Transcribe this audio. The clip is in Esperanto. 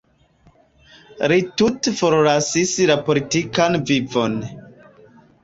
Li tute forlasis la politikan vivon.